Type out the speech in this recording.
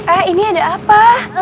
eh ini ada apa